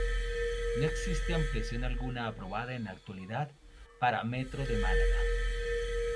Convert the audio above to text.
No existe ampliación alguna aprobada en la actualidad para Metro de Málaga.